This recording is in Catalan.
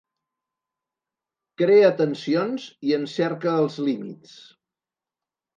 Crea tensions i en cerca els límits.